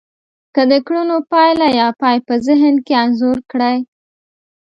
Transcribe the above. که د کړنو پايله يا پای په ذهن کې انځور کړی.